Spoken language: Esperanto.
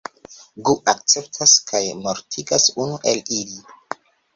Gu akceptas kaj mortigas unu el ili.